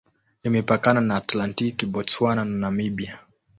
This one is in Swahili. Imepakana na Atlantiki, Botswana na Namibia.